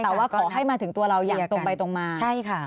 แต่ว่าขอให้มาถึงตัวเราอย่างตรงไปตรงมาใช่ค่ะ